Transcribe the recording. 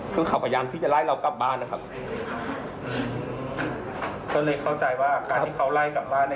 คือเขาพยายามที่จะไล่เรากลับบ้านนะครับก็เลยเข้าใจว่าการที่เขาไล่กลับบ้าน